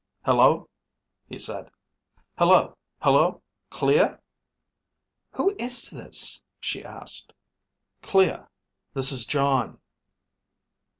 "Hello," he said. "Hello, Hello, Clea?" "Who is this?" she asked. "Clea, this is Jon."